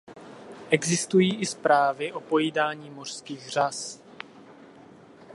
Existují i zprávy o pojídání mořských řas.